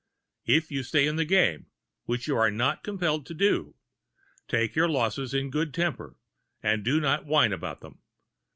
If you stay in the game, which you are not compelled to do, take your losses in good temper and do not whine about them.